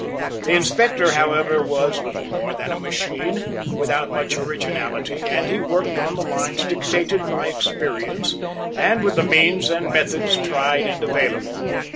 The Inspector, however, was little more than a machine, without much originality, and he worked on the lines dictated by experience and with the means and methods tried and available.